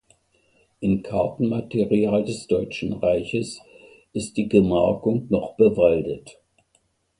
In Kartenmaterial des Deutschen Reiches ist die Gemarkung noch bewaldet.